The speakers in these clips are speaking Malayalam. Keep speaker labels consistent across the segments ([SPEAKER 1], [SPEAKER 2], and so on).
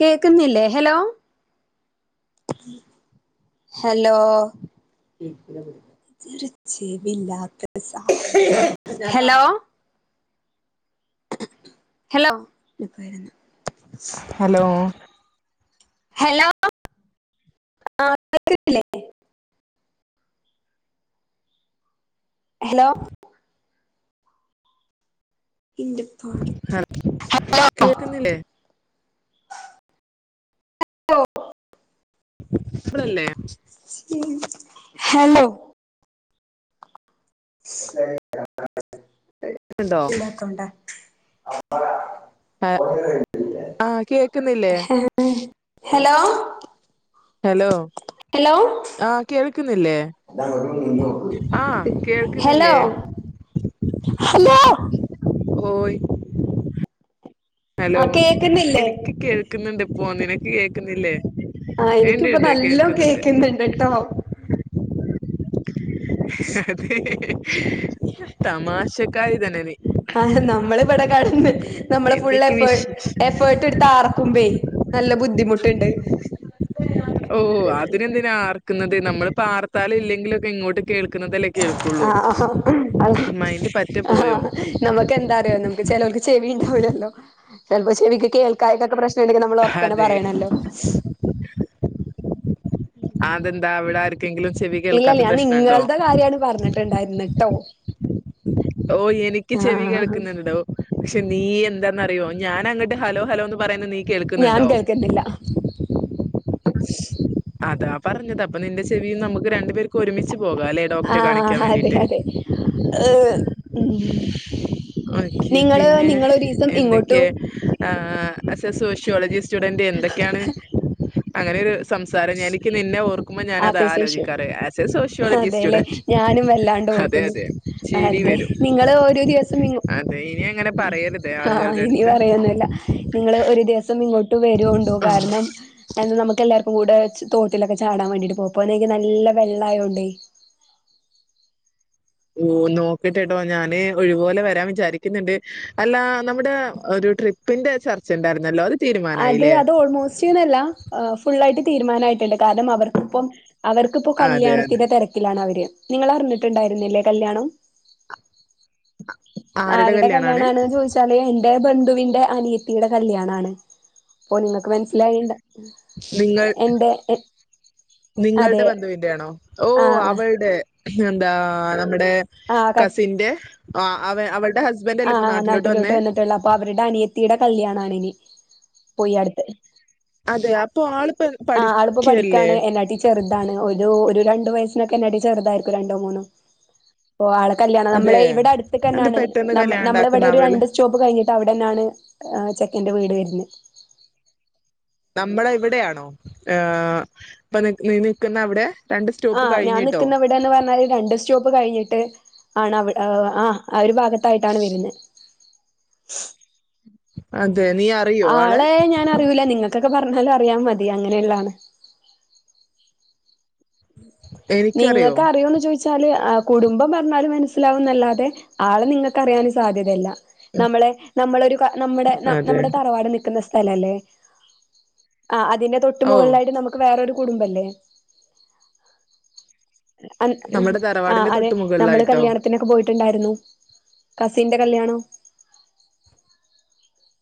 [SPEAKER 1] കേക്ക്ന്നില്ലേ ഹലോ ഹലോ ഇതൊരു ചെവിയില്ലാത്ത സാധനം ഹലോ ഹലോ ഇപ്പൊവരുന്നു
[SPEAKER 2] ഹലോ
[SPEAKER 1] ഹലോ ആ കേൾക്ക്ണില്ലേ ഹലോ ഇന്റെ പടച്ചോ ഹലോ
[SPEAKER 2] പിന്നില്ലേ മക്കളില്ലേ
[SPEAKER 1] ഹലോ [unintelligible]
[SPEAKER 2] ഉണ്ടോ
[SPEAKER 1] ഇതിലക്കൗണ്ടാ ആഹ്
[SPEAKER 2] ആഹ് ആഹ് കേക്കുന്നില്ലേ
[SPEAKER 1] [unintelligible] ഹലോ
[SPEAKER 2] ഹലോ
[SPEAKER 1] ഹലോ
[SPEAKER 2] ആ കേൾക്കുന്നില്ലേ
[SPEAKER 1] [unintelligible]
[SPEAKER 2] ആഹ്
[SPEAKER 1] ഹലോ
[SPEAKER 2] കേൾക്ക്ന്നില്ലേ
[SPEAKER 1] ഹലോ
[SPEAKER 2] ഓയ് ഹലോ
[SPEAKER 1] ആ കേക്കുന്നില്ലേ
[SPEAKER 2] എനിക്ക് കേൾക്ക്ന്ന്ണ്ടിപ്പോ നിനക്ക് കേക്ക്ന്നില്ലേ
[SPEAKER 1] ആഹ് എനിക്കിപ്പൊ നല്ലോം കേൾക്ക്ന്ന്ണ്ട്ട്ടോ
[SPEAKER 2] അതെ തമാഷക്കാരി തന്നെ നീ
[SPEAKER 1] ആ നമ്മള്വ്ടെ കെടന്ന് നമ്മള്
[SPEAKER 2] എന്തൊക്കെ
[SPEAKER 1] ഫുള്ളെഫേർ
[SPEAKER 2] വിശേഷം
[SPEAKER 1] എഫേർട്ടെട്ത്താർക്കുംപേ നല്ല ബുദ്ധിമുട്ട്ണ്ട്
[SPEAKER 2] ക്ക്ന്നത് നമ്മള് പാർത്താലും ഇല്ലെങ്കിലൊക്കെ ഇങ്ങോട്ട് കേൾക്കുന്നതല്ലേ കേൾക്കുള്ളൂ
[SPEAKER 1] ആഹ്
[SPEAKER 2] മൈൻഡ് പറ്റ പോയോ
[SPEAKER 1] നമുക്കെന്താറിയോ നമുക്ക് ചെലോൽക്ക് ചെവീണ്ടാവില്ലല്ലോ ചെലപ്പോ ചെവിക്ക് കേൾക്കായ്ക്കൊക്കെ പ്രശ്നണ്ടെങ്കി നമ്മളൊറക്കനെ
[SPEAKER 2] അതെ
[SPEAKER 1] പറയണല്ലോ
[SPEAKER 2] അതെന്താ അവിടാർക്കെങ്കിലും ചെവി കേൾക്കാത്ത പ്രശ്നുണ്ടോ
[SPEAKER 1] ക്കെയാണ് പറഞ്ഞത് ട്ട്ണ്ടായിരുന്ന്ട്ടോ
[SPEAKER 2] ഓ എനിക്ക് ചെവി
[SPEAKER 1] ആഹ്
[SPEAKER 2] കേൾക്കുന്ന്ണ്ടോ പക്ഷെ നീ എന്താന്നറിയോ ഞാൻ അങ്ങട്ട് ഹലോ ഹലോന്ന് പറയുന്ന നീ
[SPEAKER 1] ഞാൻ
[SPEAKER 2] കേൾക്കുന്നുണ്ടോ?
[SPEAKER 1] കേക്ക്ന്നില്ല
[SPEAKER 2] അതാ പറഞ്ഞത് അപ്പൊ നിന്റെ ചെവിയും നമുക്ക് രണ്ടു പേര്ക്കു ഒരുമിച്ച് പോകാല്ലെ
[SPEAKER 1] ആഹ് അതെ അതെ ഏഹ് ഉം
[SPEAKER 2] ഓക്കെ
[SPEAKER 1] നിങ്ങള് നിങ്ങളൊരിസം ഇങ്ങോട്ടു
[SPEAKER 2] ആ ആസ് എ സോഷ്യോളജി സ്റ്റുഡന്റ് എന്തൊക്കെയാണ് അങ്ങനൊരു സംസാരം എനിക്ക് നിന്നെ ഓർക്കുമ്പൊ ഞാനതാ
[SPEAKER 1] അതെ
[SPEAKER 2] ആലോജിക്കാറ് ആസ് എ സോഷ്യോളജി
[SPEAKER 1] അല്ലെ
[SPEAKER 2] സ്റ്റുഡന്റ്
[SPEAKER 1] ഞാനും വല്ലാണ്ട്
[SPEAKER 2] അതെ
[SPEAKER 1] ഓർക്കുന്നു
[SPEAKER 2] അതെ ചിരി
[SPEAKER 1] അതെ
[SPEAKER 2] വരും
[SPEAKER 1] നിങ്ങള് ഒരു ദിവസം ഇങ്ങ്
[SPEAKER 2] അതെ ഇനി അങ്ങനെ പറയരുത്
[SPEAKER 1] ആ
[SPEAKER 2] ആളുകളുടെ
[SPEAKER 1] ഇനി
[SPEAKER 2] അടുത്ത്
[SPEAKER 1] പറയൊന്നുല്ല നിങ്ങള് ഒരു ദിവസം ഇങ്ങോട്ട് വരുഒണ്ടോ
[SPEAKER 2] ആഹ്
[SPEAKER 1] കാരണം നമുക്കെല്ലാർ ക്കും കൂടെ തോട്ടിലൊക്കെ ചാടാൻ വേണ്ടിയിട്ട് പ്പൊപ്പോനെക്ക് നല്ല വെള്ളായോണ്ടേ
[SPEAKER 2] ഓ നോക്കിട്ടെട്ടോ ഞാന് ഒഴിവ്പോലെ വരാൻ വിചാരിക്ക്ന്ന്ണ്ട് അല്ല നമ്മുടെ ഒരു ട്രിപ് പ്പിന്റെ ചർച്ചണ്ടായിരുന്നല്ലോ അത്
[SPEAKER 1] അത്
[SPEAKER 2] തീരുമാനായില്ലേ
[SPEAKER 1] അത് ഓൾമോസ്റ്റ്ന്നല്ല ഫുള്ളായിട്ട് തീരുമാനമായിട്ടുണ്ട് കാരണം അവർ ഇപ്പം അവർക്കിപ്പോ
[SPEAKER 2] അതെ അതെ
[SPEAKER 1] കല്യാണത്തിന്റെ തിരക്കിലാണ് അവര് നിങ്ങ അറിഞ്ഞിട്ടുണ്ടായിരുന്നില്ലേ കല്യാണം ആരുടെ കല്യാണാണെന്ന് ചോദിച്ചാല് എന്റെ ബന്ധുവിന്റെ അനിയത്തിയുടെ കല്യാണാണ് അപ്പോ നിങ്ങൾക്ക് മനസ്സിലായീണ്ട
[SPEAKER 2] നിങ്ങൾ
[SPEAKER 1] എന്റെ അതെ
[SPEAKER 2] നിങ്ങളുടെ ബന്ധുവിന്റെയാണോ ഓ
[SPEAKER 1] ആഹ് ആഹ്
[SPEAKER 2] അവളുടെ എന്താ നമ്മുടെ
[SPEAKER 1] ആഹ്
[SPEAKER 2] കസിന്റെ അവ അവള്ടെ ഹസ്ബ
[SPEAKER 1] ആഹ് നാട്ടിലോട്ട് വന്നിട്ടേള്ളു അപ്പൊ അവരുടെ അനിയത്തിയുടെ കല്യാണാണിനി പോയി അടുത്ത്
[SPEAKER 2] അതെ അപ്പൊ ആളിപ്പോ
[SPEAKER 1] ആഹ് ആളിപ്പോ
[SPEAKER 2] പഠിക്കല്ലേ
[SPEAKER 1] പഠിക്കാണ് എന്നാട്ടി ചെറുതാണ് ഒരു ഒരു രണ്ടു വയസ്സിനൊക്കെ എന്നേട്ടി ചെറുതായിരിക്കും രണ്ടോ മൂന്നോ ആളെ കല്യാണം നമ്മള
[SPEAKER 2] അതെ
[SPEAKER 1] ഇവിടെ
[SPEAKER 2] അത്
[SPEAKER 1] അടുത്ത്ക്കന്നാണ്
[SPEAKER 2] പെട്ടെന്ന് കല്യാണം
[SPEAKER 1] നമ്മള ഇവിടെ
[SPEAKER 2] ഉണ്ടാക്കുന്ന
[SPEAKER 1] ഒരു
[SPEAKER 2] അവള്
[SPEAKER 1] രണ്ട് ഷോപ്പ് കഴിഞ്ഞിട്ട് അവിടെന്നാണ് ചെക്കന്റെ വീട് വരുന്നത്
[SPEAKER 2] നമ്മള ഇവിടെയാണോ ഇപ്പൊ നീ നിക്കുന്ന അവിടെ രണ്ട്
[SPEAKER 1] ആ
[SPEAKER 2] സ്റ്റോപ്പ്
[SPEAKER 1] ഞാൻ
[SPEAKER 2] കഴിഞ്ഞിട്ടോ
[SPEAKER 1] നിിക്കുന്ന ഇവിടെന്ന് പറഞ്ഞാല് രണ്ട് സ്റ്റോപ്പ് കഴിഞ്ഞിട്ട് ആണ് ആ ഒരു അട്ത്തായിട്ടാണ് വരുന്നത്
[SPEAKER 2] അതെ നീ
[SPEAKER 1] ആളെ ഞാൻ അറിയൂല നിങ്ങൾക്കൊക്കെ പറഞ്ഞാലും അറിയാം മതി അങ്ങനെള്ളതാണ്
[SPEAKER 2] എനിക്കറിയോ
[SPEAKER 1] നിങ്ങൾക്ക് അറിയോന്ന് ചോദ വച്ചാല് കുടുംബം പറഞ്ഞാല് മനസ്സിലാവുന്നല്ലാതെ ആളെ നിങ്ങൾക്ക് അറിയാൻ സാധ്യതയല്ല
[SPEAKER 2] ഉം,
[SPEAKER 1] നമ്മളെ നമ്മളൊരു നമ്മുടെ
[SPEAKER 2] അതെ
[SPEAKER 1] നമ്മുടെ തറവാട് നിൽക്കുന്ന സ്ഥലം അല്ലേ ആ അതിന്റെ തൊട്ട
[SPEAKER 2] ഓ
[SPEAKER 1] മുകളിലായിട്ട് നമുക്ക് വേറൊരു കുടുംബം അല്ലേ
[SPEAKER 2] നമ്മുടെ
[SPEAKER 1] ആ്
[SPEAKER 2] തറവാടിന്റെ
[SPEAKER 1] അതെ
[SPEAKER 2] തൊട്ട്
[SPEAKER 1] നമ്മള്
[SPEAKER 2] മുകളിലായിട്ടോ
[SPEAKER 1] കല്യാണം ത്തിനൊക്കെ പോയിട്ടുണ്ടായിരുന്നു കസിന്റെ കല്യാണോ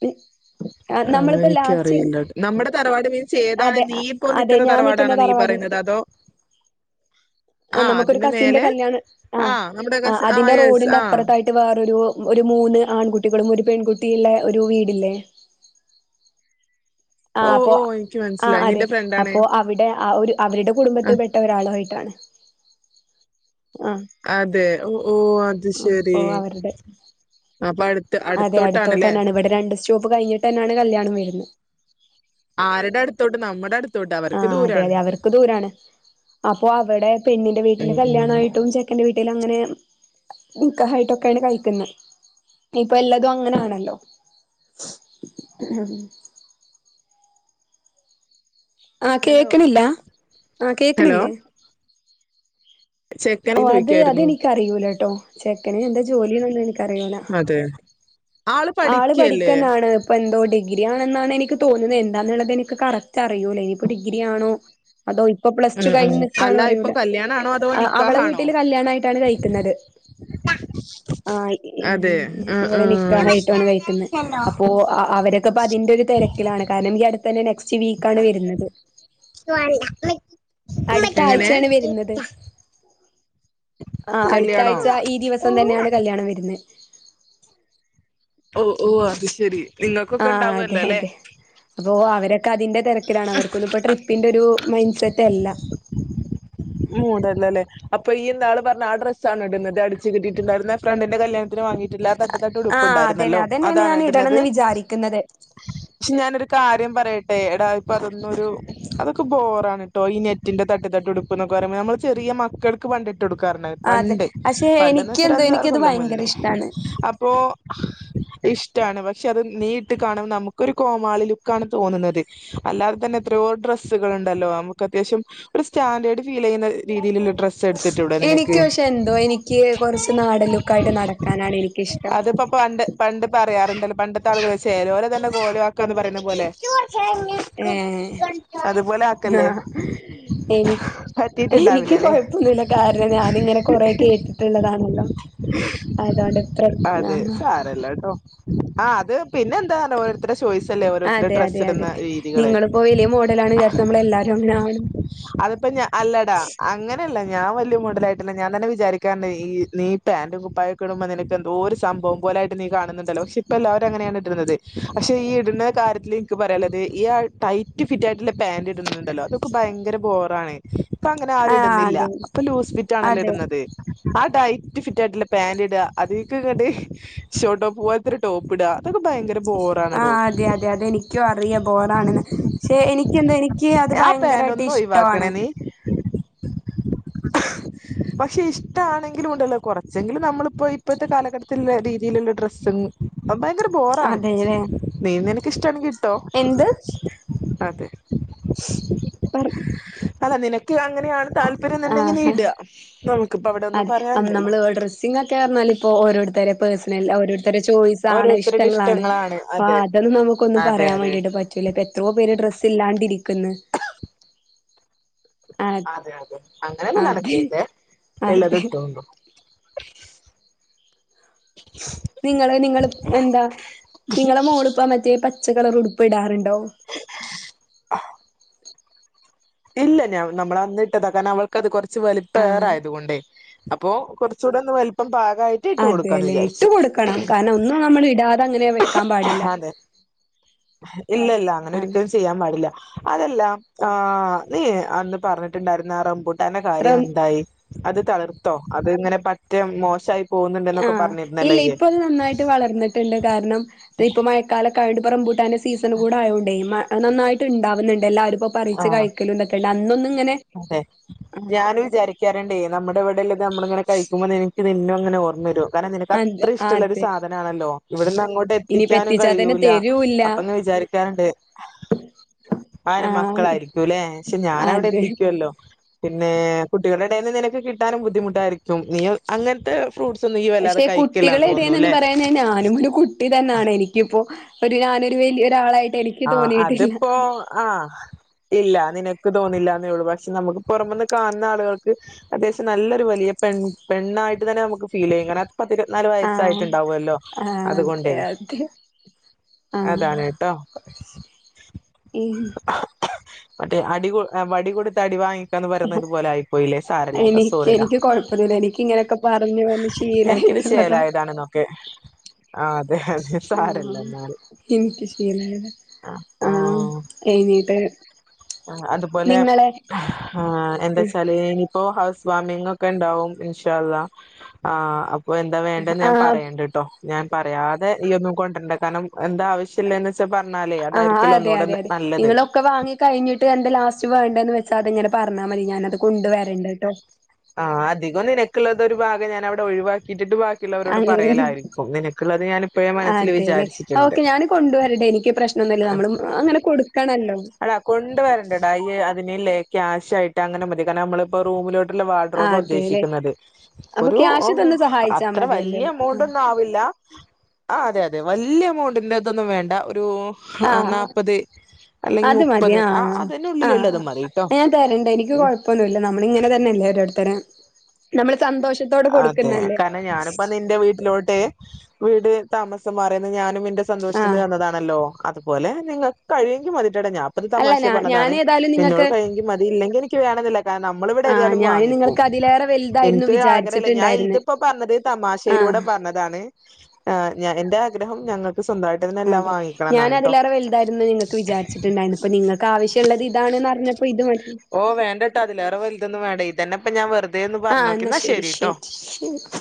[SPEAKER 1] പി
[SPEAKER 2] ആ എനിക്കറിയില്ല നമ്മുടെ തറവാട് മീൻസ് ഏതാണ്
[SPEAKER 1] അതെ
[SPEAKER 2] നീ ഇപ്പോ
[SPEAKER 1] അതെ
[SPEAKER 2] നിൽക്കുന്ന
[SPEAKER 1] ഞാൻ
[SPEAKER 2] തറവാടാണോ നീ പറയുന്നത് അതൊ
[SPEAKER 1] ആ നമുക്കൊരു കസിന്റെ
[SPEAKER 2] മേലെ
[SPEAKER 1] കല്യാണം ആ
[SPEAKER 2] ആഹ് നമ്മുടെ
[SPEAKER 1] ആ
[SPEAKER 2] കസി ആഹ്
[SPEAKER 1] അതിന്റെ
[SPEAKER 2] യെസ്
[SPEAKER 1] റോഡിന്റെ
[SPEAKER 2] ആഹ്
[SPEAKER 1] അപ്പുറത്തായിട്ട് വേറൊരു ഒരു മൂന്ന് ആൺകുട്ടികളും ഒരു പെൺകുട്ടി ഒരു വീടില്ലേ ആ
[SPEAKER 2] ഓ
[SPEAKER 1] അപ്പോ
[SPEAKER 2] ഓ എനിക്ക്
[SPEAKER 1] ആ
[SPEAKER 2] മനസ്സിലായി
[SPEAKER 1] അതെ
[SPEAKER 2] നിന്റെ ഫ്രണ്ടാണ്
[SPEAKER 1] അപ്പോ അവിടെ ആ ഒരു അവരുടെ കുടുംബത്തിൽ
[SPEAKER 2] ആഹ്
[SPEAKER 1] പെട്ട ഒരാളയിട്ടാണ് ആ
[SPEAKER 2] അതെ ഓ ഓ അത്
[SPEAKER 1] അപ്പോ
[SPEAKER 2] ശരി
[SPEAKER 1] അവരുടെ
[SPEAKER 2] ആ പഠ
[SPEAKER 1] അതെ അടുത്തോട്ട് തന്നാണ് ഇവിടെ രണ്ട് സ്റ്റോപ്പ് കഴിഞ്ഞിട്ട് തന്നാണ് കല്യാണം വരുന്നത്
[SPEAKER 2] ആരുടെ അടുത്തോട്ട് നമ്മുടെ അടുത്ത്
[SPEAKER 1] ആ അതെ അതെ അവർക്ക് ദൂരാണ് അപ്പൊ അവിടെ പെണ്ണിന്റെ
[SPEAKER 2] ഉം
[SPEAKER 1] വീട്ടില്
[SPEAKER 2] ഉം
[SPEAKER 1] കല്യാണായിട്ടും ചെക്കന്റെ വീട്ടിൽ അങ്ങനെ നിക്കഹായിട്ടൊക്കെയാണ് കഴിക്കുന്നത് ഇപ്പൊ എല്ലാതും അങ്ങനൊണല്ലോ ഉം ആ കേൾക്കണില്ല ആഹ
[SPEAKER 2] ഹലോ
[SPEAKER 1] കേൾക്കണില്ലേ
[SPEAKER 2] ചെക്കൻ
[SPEAKER 1] ഓ അത്
[SPEAKER 2] ചോദിക്കായിരുന്നു
[SPEAKER 1] അതെനിക്കറിയൂല കേട്ടോ ചെക്കന് എന്താ ജോലിന്നൊന്നും എനിക്കറിയൂല
[SPEAKER 2] അതെ
[SPEAKER 1] ആള് പഠിക്കന്നാണ് അപ്പൊ എന്തോ ഡിഗ്രി ആണെന്നാണ് എനിക്ക് തോന്നുന്നത് എന്താന്നുള്ളത് എനിക്ക് കറക്റ്റ് അറിയൂല്ലേ ഇനിയിപ്പോ ഡിഗ്രി ആണോ അതോ ഇപ്പൊ പ്ലസ് ടു
[SPEAKER 2] ഉം ഉം
[SPEAKER 1] കഴിഞ്ഞു നിക്കാണ്
[SPEAKER 2] അല്ല ഇപ്പൊ
[SPEAKER 1] അറിയൂല
[SPEAKER 2] കല്യാണാണോ അതോ
[SPEAKER 1] അവളെ
[SPEAKER 2] നിക്കാഹാണോ
[SPEAKER 1] വീട്ടില് കല്യാണ ആയിട്ടാണ് കഴിക്കുന്നത് ആഹ
[SPEAKER 2] അതെ ആഹ്
[SPEAKER 1] ഇവിടെ നി
[SPEAKER 2] ആഹ്
[SPEAKER 1] ഹായിട്ടാണ് കഴിക്കുന്നത് അപ്പോ അവരൊക്കെപ്പ അതിന്റെ ഒരു തിരക്കിലാണ് കാരണം എടു തന്നെ നെക്സ്റ്റ് വീക്ക ആണ് വരുന്നത്
[SPEAKER 2] എനിക്ക് വേണ്ട
[SPEAKER 1] അടുത്ത ആഴ്ചയാണ് വരുന്നത് ആ അടുത്ത
[SPEAKER 2] കല്യാണോ
[SPEAKER 1] ആഴ്ച ഈ ദിവസം തന്നെയാണ് കല്ല്യാണം വരുന്നത്
[SPEAKER 2] ഓഹ് ഓഹ് അത് ശെരി നിങ്ങക്കൊക്കെ ഇണ്ടാവുവല്ലോല്ലെ
[SPEAKER 1] അപ്പൊ അവരൊക്കെ അതിന്റെ തെരക്കിലാണ് അവർക്കൊന്നിപ്പൊ ട്രിപ്പിന്റെ ഒരു മൈൻഡ് സെറ്റ് അല്ല
[SPEAKER 2] മൂടല്ലല്ലേ അപ്പൊ ഈയ് ഇന്നാള് പറഞ്ഞ ആ ഡ്രസ്സാണൊ ഇടുന്നത് അടിച്ച് കിട്ടിയിട്ടിണ്ടാരുന്ന ഫ്രണ്ടിന്റെ കല്യാണത്തിന് വാങ്ങിയിട്ടില്ലാ തട്ട് തട്ട്
[SPEAKER 1] ആഹ് അതന്നെ
[SPEAKER 2] ഉടുപ്പുണ്ടാരുന്നല്ലോ
[SPEAKER 1] അതന്നെയാണ്
[SPEAKER 2] അതാണ
[SPEAKER 1] ഞാൻ
[SPEAKER 2] ഇടുന്നത്
[SPEAKER 1] ഇടണംന്ന് വിചാരിക്കുന്നത്
[SPEAKER 2] പക്ഷെ ഞാനൊരു കാര്യം പറയട്ടെ എടാ ഇപ്പൊ അതൊന്നൊരു അതൊക്കെ ബോറാണ് ട്ടോ ഈ നെറ്റിന്റെ തട്ടിതട്ടുടുപ്പ് ന്നൊക്കെ പറയമ്പൊ നമ്മള് ചെറീയ മക്കൾക്ക് പണ്ടിട്ട് കൊടുക്കാറിണ്ടാര്ന്ന്
[SPEAKER 1] അതെ
[SPEAKER 2] പണ്ട്
[SPEAKER 1] പക്ഷെ
[SPEAKER 2] പണ്ടന്ന്
[SPEAKER 1] എനിക്ക്
[SPEAKER 2] വെച്ച ഒരു
[SPEAKER 1] എന്തോ
[SPEAKER 2] അഞ്ചാറ്
[SPEAKER 1] എനിക്കത്
[SPEAKER 2] കൊല്ലം
[SPEAKER 1] ഭയങ്കര
[SPEAKER 2] മുന്നേ
[SPEAKER 1] ഇഷ്ടാണ്
[SPEAKER 2] അപ്പോ ഇഷ്ടാണ് പക്ഷെ അത് നീയിട്ട് കാണുമ്പ നമുക്കൊരു കോമാളി ലുക്കാണ് തോന്നുന്നത് അല്ലാതെ തന്നെ എത്രയോ ഡ്രസ്സുകളുണ്ടല്ലോ നമുക്ക് അത്യാശ്യം ഒരു സ്റ്റാൻഡേർഡ് ഫീലെയ്യുന്ന രീതിലിള്ള ഡ്രസ് എടുത്ത്
[SPEAKER 1] എനിക്ക് പക്ഷെ എന്തോ എനിക്ക് കൊറച്ച് നാടൻ ലുക്കായിട്ട് നടക്കാനാണ് എനിക്കിഷ്ടം
[SPEAKER 2] അതിപ്പോ പണ്ട് പണ്ട് പറയാറുണ്ടല്ലോ പണ്ടത്തെ ആളുകള് ചേലോരതന്നെ കോലവാക്കാന്ന് പറയുന്ന പോലെ
[SPEAKER 1] ഏഹ്
[SPEAKER 2] അതുപോലെ ആക്കല്ലേ
[SPEAKER 1] ആഹ് എനി എനിക്ക്
[SPEAKER 2] പറ്റിട്ടുണ്ടാവില്ലല്ലേ
[SPEAKER 1] കൊഴപ്പൊന്നൂല്ല കാരണം ഞാനിങ്ങനെ കൊറെ കേട്ടിട്ടിള്ളതാണല്ലോ അതോണ്ട് പ്ര ആഹ്
[SPEAKER 2] ആഹ് അത് പിന്നെന്താ ഓരോരുത്തര്ടെ
[SPEAKER 1] അതെ അതെ അതെ നിങ്ങളിപ്പോ വലിയ മോഡലാണ് വിചാരിച്ച് നമ്മളെല്ലാരും അങ്ങനാവണം
[SPEAKER 2] അതിപ്പൊ ഞാ അല്ലടാ അങ്ങനല്ല ഞാൻ വല്യ മോഡലായിട്ടില്ല ഞാൻ തന്നെ വിചാരിക്കാറ്ണ്ട് ഈ നീ പാന്റും കുപ്പായൊക്കെ ഇടുമ്പോ നിനക്ക് എന്തോ ഒരു സംഭവം പോലായിട്ട് നീ കാണുന്നിണ്ടല്ലൊ പക്ഷെ ഇപ്പ എല്ലാരും അങ്ങനെയാണ് ഇടുന്നത് പക്ഷെ ഈ ഇടുന്ന കാര്യത്തില് എൻക്ക് പറയാള്ളത് ഈ ആഹ് ടൈറ്റ് ഫിറ്റായിട്ടിള്ള പാാന്റ് ഇടുന്നുണ്ടല്ലോ അത് ഒക്കെ ഭയങ്കര ബോറാണ് ഇപ്പങ്ങനെ ആരും
[SPEAKER 1] ആഹ്
[SPEAKER 2] ഇടുന്നില്ല
[SPEAKER 1] അതെ
[SPEAKER 2] അപ്പൊ ലൂസ് ഫിറ്റാണല്ലോ
[SPEAKER 1] അതെ
[SPEAKER 2] ഇടുന്നത് ആഹ് ടൈറ്റ് ഫിറ്റായിട്ടിള്ള പാന്റിടാ അതീക്കിങ്ങട്ട് ഷോർട്ടോപ്പ്പോലത്തെ ടോപ്പ് ഇട്കാ അതൊക്കെ ഭയങ്കര ബോറാണടോ
[SPEAKER 1] എനിക്കു അറിയാ ബോറാണെന്ന് പക്ഷെ എനിക്കെന്തൊ എനിക്ക് അത്
[SPEAKER 2] ആ പാന്റ്
[SPEAKER 1] ഭയങ്കരായിട്ട്
[SPEAKER 2] ഒന്ന്
[SPEAKER 1] ഇഷ്ടവാണ്
[SPEAKER 2] ഒഴിവാക്കണേ നീ പക്ഷെ ഇഷ്ടാണെങ്കിലും ഉണ്ടല്ലോ കൊറച്ചെങ്കിലും നമ്മളിപ്പോ ഇപ്പത്തെ കാലഘട്ടത്തിലിള്ള രീതിലുള്ള ഡ്രസ്സും ഭയങ്കര ബോറാണ്
[SPEAKER 1] അതേല്ലേ
[SPEAKER 2] നീ നിക്കിഷ്ടാണെങ്കി ഇട്ടോ അതെ
[SPEAKER 1] പ
[SPEAKER 2] അതാ നിനക്ക് അങ്ങനെയാണ് താല്പര്യം എന്നുണ്ടെങ്കി നി
[SPEAKER 1] ആഹ്
[SPEAKER 2] ഇടാ ക്കിപ്പ അവിടൊന്നും പറയാനില്ലല്ലോ
[SPEAKER 1] സ്സിങ്ങൊക്കേന്നറഞ്ഞാല് ഇപ്പോ ഓരോരുത്തരെ പേർസണൽ ഓരോരുത്തരെ ചോയ്സ് സാണ്
[SPEAKER 2] ഓരോരുത്തരുടെ
[SPEAKER 1] ഇഷ്ടങ്ങളാണ് അപ്പൊ
[SPEAKER 2] അതെ
[SPEAKER 1] അതൊന്നും നമുക്കൊന്നും
[SPEAKER 2] അതെ
[SPEAKER 1] പറയാൻ
[SPEAKER 2] അതെ
[SPEAKER 1] വേണ്ടിട്ട് പറ്റ റ്റില്ല ഇപ്പൊ എത്രോ പേര് ഡ്രസ്സ് ഇല്ലാണ്ടിരിക്കുന്ന് ആഹ്
[SPEAKER 2] അതെ അതെ അങ്ങനൊന്നും
[SPEAKER 1] അതെ
[SPEAKER 2] നടക്കരുതെ
[SPEAKER 1] അതെ
[SPEAKER 2] ഇള്ളതിട്ടോ
[SPEAKER 1] നിങ്ങള് നിങ്ങള് എന്താ നിങ്ങളെ മോളിപ്പം മറ്റേ പച്ചക്കളറുടു പ്പിടാറിണ്ടോ
[SPEAKER 2] ഇല്ല ഞാൻ നമ്മള അന്നിട്ടതാ കാരണ അവൾക്കത് കൊറച്ച്
[SPEAKER 1] ആഹ്
[SPEAKER 2] വലിപ്പേറാ ആയതുകൊണ്ടേ അപ്പൊ കൊറച്ചൂടൊന്ന് വലിപ്പം പാക
[SPEAKER 1] അതേല്ലെ ഇട്ട് കൊടുക്കണം കാരണം ഒന്നും നമ്മൾ ഇടാതെ അങ്ങനെ വെക്കാൻ പാടില്ല
[SPEAKER 2] ഇല്ലില്ല അങ്ങനെ
[SPEAKER 1] അതെ
[SPEAKER 2] ഒരിക്കലും ചെയ്യാൻ പാടില്ല അതല്ല ആഹ് നീ അന്ന് പറഞ്ഞിട്ടുണ്ടാരുന്ന ആഹ് റമ്പൂട്ടാന്റെ കാര്യം
[SPEAKER 1] റം
[SPEAKER 2] എന്തായി അത് തളിർത്തോ അത് ഇങ്ങനെ പറ്റെ മോശായി
[SPEAKER 1] ആഹ് ഇല്ല ഇപ്പത് നന്നായിട്ട് വളർന്നിട്ടിണ്ട് കാരണം ഇപ്പം മഴക്കാലൊക്കായോണ്ട് ഇപ്പം റമ്പൂട്ടാന്റെ സീസൺ കൂടെ ആയോണ്ടേ നന്നായിട്ട് ഉണ്ടാവ്ന്നുണ്ട് എല്ലാരുപ്പൊ പറിച്ച്
[SPEAKER 2] ആഹ്
[SPEAKER 1] കഴിക്കലുണ്ടെക്കെണ്ട് അന്നൊന്നു ഇങ്ങനെ
[SPEAKER 2] അതെ
[SPEAKER 1] ആഹ്
[SPEAKER 2] ഞാനു വിചാരിക്കാറിണ്ടേ നമ്മുടെ ഇവിടിള്ളത് നമ്മളിങ്ങനെ കഴിക്കുമ്പൊ നിന നിക്ക് നിന്നെങ്ങനെ ഓർമ്മ വരും കാരണം നിനക്ക് അത്ര
[SPEAKER 1] അതെ
[SPEAKER 2] ഇഷ്ടമുള്ളരു
[SPEAKER 1] അതെ
[SPEAKER 2] സാധനമാണല്ലോ ഇവിടുന്ന് അങ്ങോട്ട്
[SPEAKER 1] ഇനിയിപ്പ
[SPEAKER 2] എത്തിക്കാനും
[SPEAKER 1] എത്തിച്ചാ തന്നെ
[SPEAKER 2] കഴിയൂല്ല
[SPEAKER 1] തരൂല്ല
[SPEAKER 2] അപ്പൊ അങ്ങ് വിചാരിക്ക ക്കാറ്ണ്ട് ആരാ
[SPEAKER 1] ആഹ് അതെ
[SPEAKER 2] മക്കളായിരിക്കുല്ലേ പക്ഷെ ഞനവിടെ
[SPEAKER 1] അതെ
[SPEAKER 2] എത്തിക്കുവ ല്ലോ പിന്നെ കുട്ടികളുടെ ഇടന്ന് നിനക്ക് കിട്ടാനും ബുദ്ധിമുട്ടായിരിക്കും നീ അങ്ങനത്തെ ഫ്രൂട്സ് ഒന്നും ഇ
[SPEAKER 1] പക്ഷെ കുട്ടികള എടയേന്ന് പറയാന് ഞാനും ഒരു കു ഇതന്നെയാണ് എനിക്കിപ്പോ ഒരു ഞാനൊരു വലിയ ഒരാളായിട്ട് എനിക്ക്
[SPEAKER 2] ആഹ്
[SPEAKER 1] തോന്നിയിട്ടില്ല
[SPEAKER 2] അതിപ്പോ ആഹ് ഇല്ല നിനക്ക് തോന്നില്ല എന്നേ ഉള്ളൂ പക്ഷെ നമുക്ക് പുറമൊന്ന് കാണുന്ന ആളുകൾക്ക് അത്യാവശ്യം നല്ലൊരു വലിയ പെൺ പെണ്ണായിട്ട് തന്നെ നമുക്ക് ഫീൽ ചെയ്യും കാ പത്തി ഇരുപത്‌നാല്
[SPEAKER 1] ആഹ്
[SPEAKER 2] വയസ്സായിട്ടുണ്ടാവല്ലോ
[SPEAKER 1] ആഹ് അതെ
[SPEAKER 2] അതുകൊണ്ടേ
[SPEAKER 1] അതെ ആഹ്
[SPEAKER 2] അതാണ് കേട്ടോ
[SPEAKER 1] ഉം
[SPEAKER 2] മറ്റേ അടി വടി കൊടുത്ത അടി വാങ്ങി ന്ന് പറയുന്നതു പോലെ ആയി പോയില്ലേ സാരല്ലാട്ടോ
[SPEAKER 1] എനിക്ക്
[SPEAKER 2] സോറിയടാ
[SPEAKER 1] എനിക്ക് കൊഴപ്പൊന്നുല്ല എനിക്ക് ഇങ്ങനെയൊക്കെ പറഞ്ഞ് പറഞ്ഞ്
[SPEAKER 2] എനിക്കിത്
[SPEAKER 1] ശീലായിട്ടുള്ളതാ
[SPEAKER 2] ചേലായതാണെന്നൊക്കെ ആ അതെ അതെ സാരല്ല
[SPEAKER 1] ആഹ്
[SPEAKER 2] എന്നാല്
[SPEAKER 1] എനിക്ക് ശീലായത്
[SPEAKER 2] അപ്പൊ
[SPEAKER 1] ആഹ് എന്നീട്ട്
[SPEAKER 2] ആ അതുപോലെ ആ എന്താച്ചാല് ഇനി ഇപ്പോ ഹൗസ് വാമിംഗ് ഒക്കെ ഉണ്ടാവും ഇൻഷാ അള്ളാഹ് അപ്പ എന്താ വേണ്ടന്ന് ഞാൻ
[SPEAKER 1] ആഹ്
[SPEAKER 2] പറയേണ്ട കേട്ടോ ഞാൻ പറയാതെ ഈ ഒന്നും കൊണ്ട്രണ്ട കാരണം എന്താ ആവശ്യം ശ്യള്ളെ വെച്ചാ പറഞ്ഞാലേ അതായിരിക്കല്ലോ ഒന്നുകൂടെ നല്ലത്
[SPEAKER 1] ഒക്കെ വാങ്ങി കഴിഞ്ഞിട്ട് എന്താ ലാസ്റ്റ് വേണ്ടന്ന് വെച്ചാ അത് ഇങ്ങനെ പറഞ്ഞാ മതി ഞാനത് കൊണ്ട് വരണ്ട് കേട്ടോ
[SPEAKER 2] ആഹ് അധികം നിനക്കുള്ളത് ഒരു ഭാഗം ഞാനൻ അവിടെ ഒഴിവാക്കിയിട്ടിട്ട് ബാക്കി ബാക്കിയുള്ളവരോട് പറയലായിരിക്കും നിനക്കുള്ളത് ഞാനിപ്പോഴേ മനസ്സിൽ
[SPEAKER 1] അതെല്ലേ
[SPEAKER 2] വിചാരിച്ചിട്ടുണ്ട്
[SPEAKER 1] നന്നല്ല നമ്മളും അങ്ങനെ കൊടുക്കണല്ലോ
[SPEAKER 2] അടാ കൊണ്ട് വരണ്ടടാ ഈ അതിനല്ലേ ക്യാഷ് ആയിട്ട് അങ്ങനെ മതി കാരണം നമ്മളിപ്പോ റൂമിലോട്ട് ക്ക്ള്ള വാഡ്റോപ
[SPEAKER 1] ആഹ് അതെല്ലേ
[SPEAKER 2] ഉദ്ദേശിക്കുന്നത്
[SPEAKER 1] അപ്പൊ
[SPEAKER 2] ഒരു
[SPEAKER 1] ക്യാഷ് തന്ന് സഹായിച്ചാ
[SPEAKER 2] അത്ര
[SPEAKER 1] മതിയല്ലേ
[SPEAKER 2] വല്യ എമൗണ്ട്
[SPEAKER 1] ആഹ്
[SPEAKER 2] ഒന്നും ആവില്ല ആ അതെ അതെ വല്യയ എമൗണ്ടിന്റെ ഇതൊന്നും വേണ്ട ഒരു
[SPEAKER 1] ആഹ്
[SPEAKER 2] നാല്പത്
[SPEAKER 1] അത് മതി ആ ആ
[SPEAKER 2] അതിനുള്ളിലുള്ളത് മതിട്ടോ
[SPEAKER 1] ഞാൻ തരണ്ട് എനിക്ക് കൊഴപ്പ പ്പൊന്നുല്ല നമ്മള് ഇങ്ങനെ തന്നെല്ലേ ഓരോരുത്തരെ നമ്മള് സന്തോഷത്തോടെ
[SPEAKER 2] അതെ
[SPEAKER 1] കൊടുക്കുന്നല്ലേ
[SPEAKER 2] കാരണം ഞാനിപ്പ നിന്റെ വീട്ടിലോട്ട് വീട് താമസം മാറിയുന്നത് ഞാനും എന്റെ സന്തോഷത്തിന്
[SPEAKER 1] ആഹ്
[SPEAKER 2] തന്നതാണ് ല്ലോ അതുപോലെ നിങ്ങൾക്ക് കഴിയെങ്കി മതിട്ടട ഞാ ഇപ്പ
[SPEAKER 1] അല്ല
[SPEAKER 2] തമാശെ
[SPEAKER 1] ഞാ
[SPEAKER 2] പറഞ്ഞതാണ് നി
[SPEAKER 1] ഞാനേതായാലും
[SPEAKER 2] എന്നോട്
[SPEAKER 1] നിങ്ങൾക്ക്
[SPEAKER 2] കഴിയെങ്കിൽ മതി ഇല്ലെങ്കിൽ എനിക്ക് വേണംന്നില്ല നമ്മള് ഇവിടെ
[SPEAKER 1] ആഹ്
[SPEAKER 2] ഏതായാലും
[SPEAKER 1] ഞാന്
[SPEAKER 2] വാങ്ങിക്കും
[SPEAKER 1] നിങ്ങൾക്ക് അതിലേറെ വലുതായിരുന്നു
[SPEAKER 2] ഇൻക്ക് ല്ലേ ഞാൻ
[SPEAKER 1] വിചാരിച്ചിട്ടുണ്ടായിരുന്നെ
[SPEAKER 2] ഇതിപ്പോ പറഞ്ഞത്
[SPEAKER 1] ആഹ്
[SPEAKER 2] തമാശയിലൂടെ പറഞ്ഞതാണ് എന്റെ ആഗ്രഹം ഞങ്ങൾക്ക് സ്വന്തായിട്ടെന്നെ
[SPEAKER 1] അതെ ഞാൻ അതിലേറെ വലുതായിരുന്നു നിങ്ങൾക്ക് വിചാരിച്ചിട്ടുണ്ടായിരുന്നത് അപ്പൊ നിങ്ങൾക്ക് ആവശ്യമുള്ളത് ഇതാണ്ന്ന് അറിഞ്ഞപ്പോ ഇത് മതി
[SPEAKER 2] ഓ വേണ്ടട്ടോ അതിലേറെ വലുതൊന്നും വേണ്ട ഇതന്നെപ്പം ഞാൻ വെറുതൊന്ന്
[SPEAKER 1] ആഹ്
[SPEAKER 2] പറഞ്ഞോക്കാ
[SPEAKER 1] എന്നാ
[SPEAKER 2] ന്നാ
[SPEAKER 1] ശരി
[SPEAKER 2] ശരിട്ടോ
[SPEAKER 1] ശരി ശരി